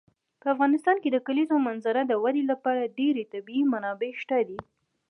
په افغانستان کې د کلیزو منظره د ودې لپاره ډېرې طبیعي منابع شته دي.